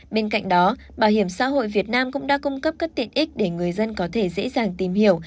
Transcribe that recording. bên cạnh đó bảo hiểm xã hội việt nam cũng đã cung cấp các tiện ích để người dân có thể dễ dàng tìm hiểu